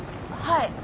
はい。